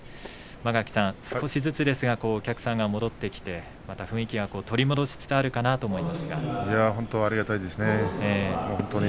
間垣さん、少しずつですがお客さんが戻ってきてまた雰囲気が取り戻しつつあるか本当にありがたいですね。